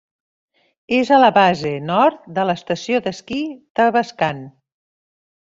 És a la base, nord, de l'Estació d'esquí Tavascan.